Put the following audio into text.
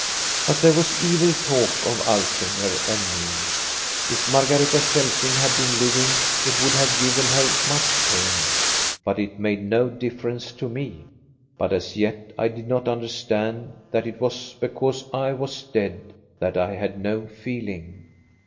" But there was evil talk of Altringer and me. If Margareta Celsing had been living, it would have given her much pain, but it made no difference to me. But as yet I did not understand that it was because I was dead that I had no feeling.